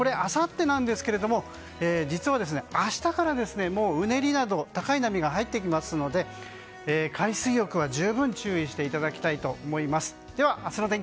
そして波の高さこれ、あさってなんですが実は明日から、もううねりなど高い波が入ってきますので、海水浴は十分注意していただきたいと思います。